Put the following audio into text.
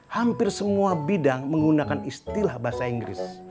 hampir semua bidang menggunakan istilah bahasa inggris